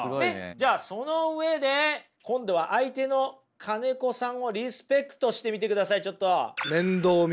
その上で今度は相手の金子さんをリスペクトしてみてくださいちょっと。